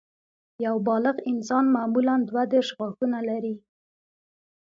یو بالغ انسان معمولاً دوه دیرش غاښونه لري